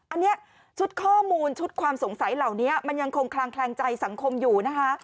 อันนี้ชุดข้อมูลชุดความสงสัยเหล่านี้มันยังคงคลางแคลงใจสังคมอยู่นะคะ